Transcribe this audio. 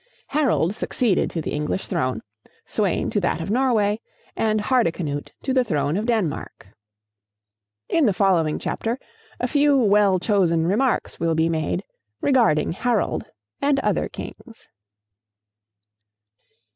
Harold succeeded to the English throne, Sweyn to that of Norway, and Hardicanute to the throne of Denmark. In the following chapter a few well chosen remarks will be made regarding Harold and other kings.